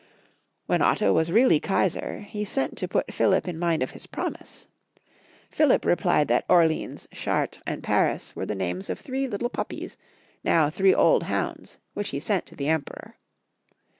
When Otto was reaUy Kaisar, he sent to put Philip in mind of his promise. Philip replied that Orieans, Chartres, and Paris were the names of three little puppies, now three old hounds which he sent to the Emperor!